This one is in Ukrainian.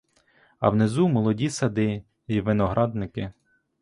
А внизу молоді сади й виноградники.